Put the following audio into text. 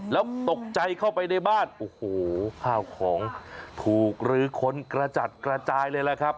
แล้วตกใจเข้าไปในบ้านโอ้โหข้าวของถูกหรือคนกระจัดกระจายเลยล่ะครับ